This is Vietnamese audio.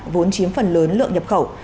vốn chiếm phần lớn lượng nhập khẩu